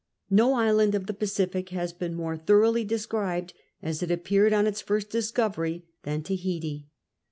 No island of the Pacific has been more thoroughly described as it appeared on its first discovery than Tahiti.